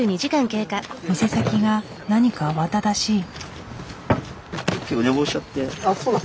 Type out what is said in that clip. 店先が何か慌ただしい。